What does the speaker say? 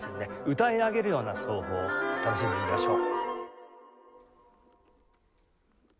歌い上げるような奏法を楽しんでみましょう。